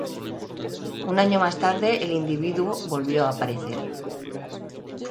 Un año más tarde, el individuo volvió a aparecer.